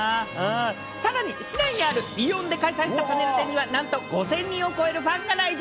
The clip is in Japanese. さらに、市内にあるイオンで開催したパネル展には、なんと５０００人を超えるファンが来場。